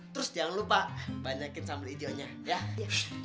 terus jangan lupa banyakin sambal idionya yah